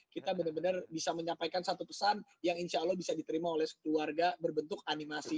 kita benar benar bisa menyampaikan satu pesan yang insya allah bisa diterima oleh sekeluarga berbentuk animasi